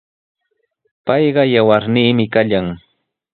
Payqa yawarniimi kallan.